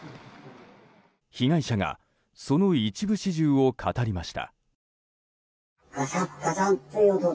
被害者がその一部始終を語りました。